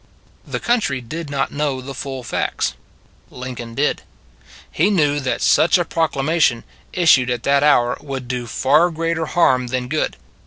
The country did not know the full facts : Lincoln did. He knew that such a procla mation, issued at that hour, would do far greater harm than good.